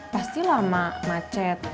pasti lama macet